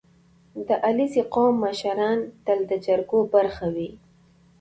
• د علیزي قوم مشران تل د جرګو برخه وي.